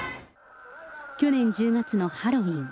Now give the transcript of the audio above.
去年１０月のハロウィーン。